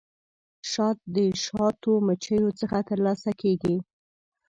شات د شاتو مچیو څخه ترلاسه کیږي